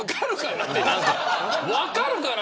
分かるかな。